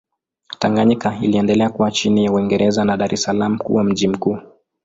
Tanganyika iliendelea kuwa chini ya Uingereza na Dar es Salaam kuwa mji mkuu.